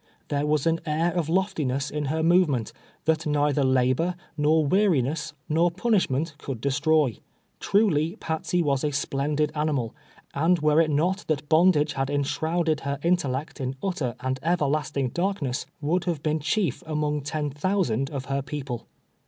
There Mas an air of loftiness in her movement, that neither labor, nor weariness, nor punishment could destroy. Truly, Patsey was a splendid animal, and were it not that "bondage had enshrouded her intellect in utter and everlasting: darkness, would have been chief amons: ten thousand of her peoj)le.